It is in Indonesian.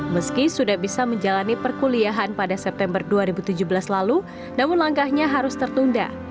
meski sudah bisa menjalani perkuliahan pada september dua ribu tujuh belas lalu namun langkahnya harus tertunda